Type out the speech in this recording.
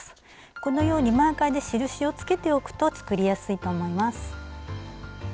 このようにマーカーで印をつけておくと作りやすいと思います。